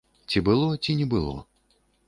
Ці было, ці не было.